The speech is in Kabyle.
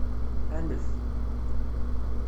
Anef!